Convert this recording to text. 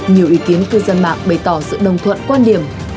nhiều ý kiến cư dân mạng bày tỏ sự đồng thuận quan điểm